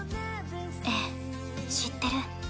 ええ知ってる。